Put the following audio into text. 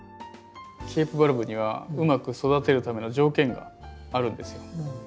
ケープバルブにはうまく育てるための条件があるんですよ。